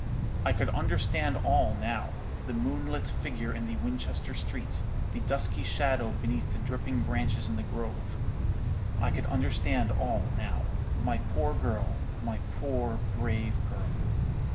I could understand all now: the moonlit figure in the Winchester street, the dusky shadow beneath the dripping branches in the grove. I could understand all now: my poor girl—my poor, brave girl.